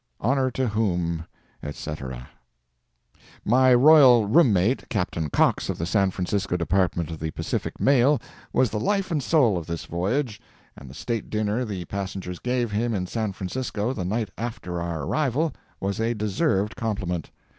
HONOR TO WHOM, &C. My royal room mate, Captain Cox of the San Francisco department of the Pacific Mail, was the life and soul of this voyage, and the state dinner the passengers gave him in San Francisco the night after our arrival, was a deserved compliment.